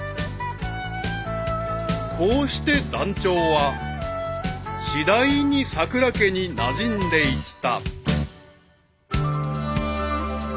［こうして団長は次第にさくら家になじんでいった］